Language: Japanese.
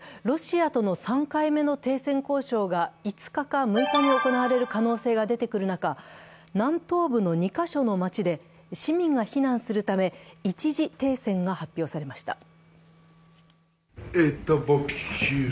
ロシアとの３回目の停戦交渉が５日か６日に行われる可能性が出てくる中、南東部の２カ所の街で市民が避難するため一時停戦が発表されました。